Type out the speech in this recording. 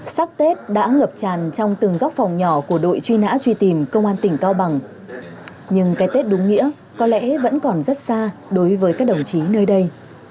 sắc tết đã ngập tràn trong từng góc phòng nhỏ của đội truy nã truy tìm công an tỉnh cao bằng nhưng cái tết đúng nghĩa có lẽ vẫn còn rất xa đối với các đồng chí nơi đây